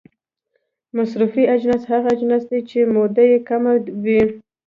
مصرفي اجناس هغه اجناس دي چې موده یې کمه وي.